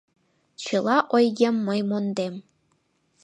Чыла ойгем мый мондем.